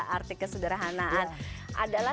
arti kesederhanaan adalah